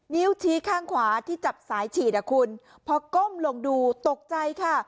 นิ้วชี้ข้างขวาที่จับสายฉีดอ่ะคุณพอก้มลงดูตกใจค่ะ